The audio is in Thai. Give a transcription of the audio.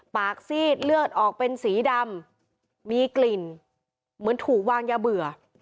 ซีดเลือดออกเป็นสีดำมีกลิ่นเหมือนถูกวางยาเบื่อ